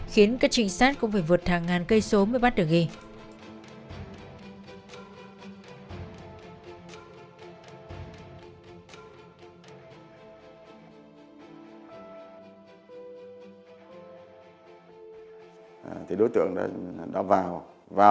khiến các trinh sát cũng phải vượt hàng ngàn cây số mới bắt được ghi